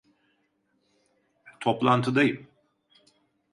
Toplantıdayım.